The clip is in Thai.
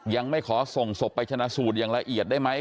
ยังไม่ขอส่งศพไปชนะสูตรอย่างละเอียดได้ไหม